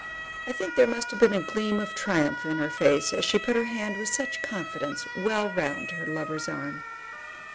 I think there must have been a gleam of triumph in her face as she put her hand with such confidence well round her lover's arm.